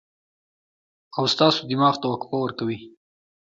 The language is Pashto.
او ستاسو دماغ ته وقفه ورکوي